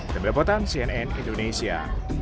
demi deputan cnn indonesia